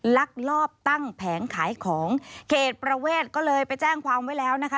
ลักลอบตั้งแผงขายของเขตประเวทก็เลยไปแจ้งความไว้แล้วนะคะ